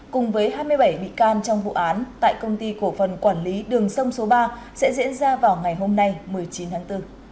cùng với hai mươi bảy bị can trong vụ án tại công ty cổ phần quản lý đường sông số ba sẽ diễn ra vào ngày hôm nay một mươi chín tháng bốn